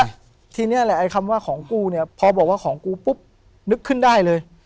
ทีเนี้ยแหละไอ้คำว่าของกูเนี่ยพอบอกว่าของกูปุ๊บนึกขึ้นได้เลย